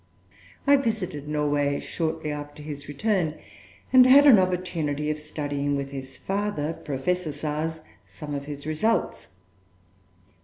I visited Norway shortly after his return, and had an opportunity of studying with his father, Professor Sars, some of his results.